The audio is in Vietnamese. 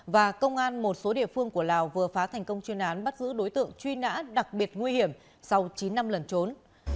và công an một số địa phương của lào vừa phá thành công chuyên án bắt giữ đối tượng truy nã đặc biệt nguy hiểm sau chín năm lần trốn